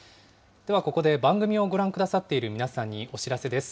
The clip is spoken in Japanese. ではここで番組をご覧くださっている皆さんにお知らせです。